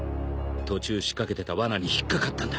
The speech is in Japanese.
途中仕掛けてたわなに引っ掛かったんだ。